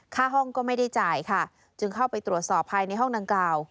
ห้องก็ไม่ได้จ่ายค่ะจึงเข้าไปตรวจสอบภายในห้องดังกล่าว